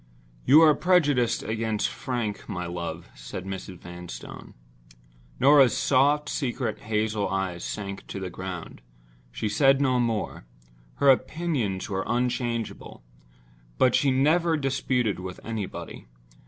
"You are prejudiced against Frank, my love," said Mrs. Vanstone. Norah's soft, secret, hazel eyes sank to the ground; she said no more. Her opinions were unchangeable—but she never disputed with anybody.